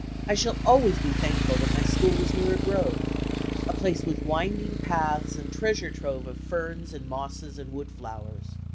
I shall always be thankful that my school was near a grove a place with winding paths and treasure trove of ferns and mosses and wood flowers.